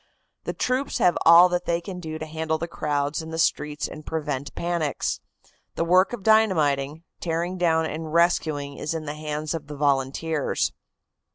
The troops have all that they can do to handle the crowds in the streets and prevent panics. The work of dynamiting, tearing down and rescuing is in the hands of the volunteers.